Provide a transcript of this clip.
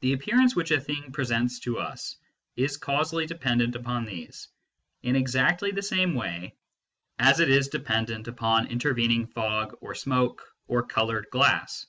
The appearance which a thing presents to us is causally dependent upon these, in exactly the same way as it is dependent upon inter vening fog or smoke or coloured glass.